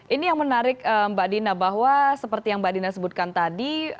ini yang menarik mbak dina bahwa seperti yang mbak dina sebutkan tadi